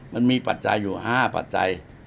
มันมีปัจจัยอยู่ห้าปัจจัย